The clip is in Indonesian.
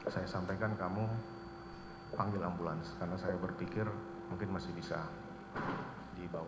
saya sampaikan kamu panggil ambulans karena saya berpikir mungkin masih bisa dibawa